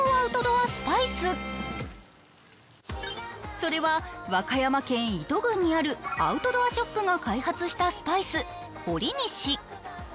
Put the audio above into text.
それは和歌山県伊都郡にあるアウトドアショップが開発したスパイス、ほりにし。